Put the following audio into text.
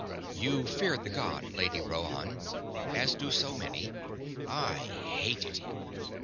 "You feared the god, Lady Rhoann, as do so many. I hated him."